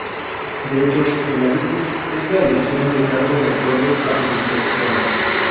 De hecho, el habitus es la elección de cargos de acuerdo a sus disposiciones.